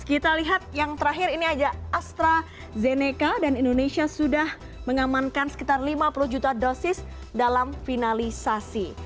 kita lihat yang terakhir ini aja astrazeneca dan indonesia sudah mengamankan sekitar lima puluh juta dosis dalam finalisasi